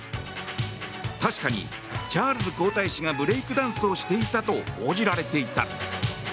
確かに、チャールズ皇太子がブレイクダンスをしていたと報じられていた。